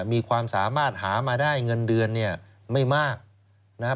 มีความสามารถหามาได้เงินเดือนเนี่ยไม่มากนะครับ